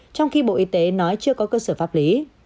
trong khi bộ y tế nói chưa có cơ sở pháp lý